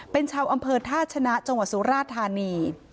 เป็นชาวอำเภอท่าชนะจังหวัดสุราธานี